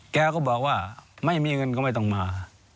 แกก็บอกว่าไม่มีเงินก็ไม่ต้องมา